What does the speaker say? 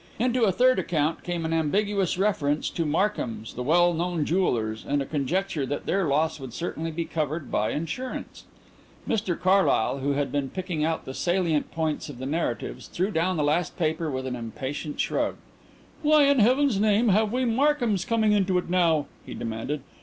Into a third account came an ambiguous reference to Markhams, the well known jewellers, and a conjecture that their loss would certainly be covered by insurance. Mr Carlyle, who had been picking out the salient points of the narratives, threw down the last paper with an impatient shrug. "Why in heaven's name have we Markhams coming into it now?" he demanded.